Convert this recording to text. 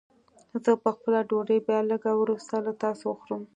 زه به خپله ډوډۍ بيا لږ وروسته له تاسو وخورم.